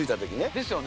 ですよね。